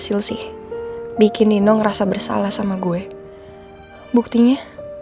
ini bukan bumbang sama kayaknya